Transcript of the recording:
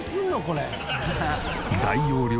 これ。